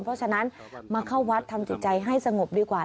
เพราะฉะนั้นมาเข้าวัดทำจิตใจให้สงบดีกว่า